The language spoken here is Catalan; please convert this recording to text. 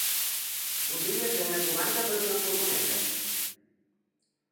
Voldria fer una comanda per una furgoneta.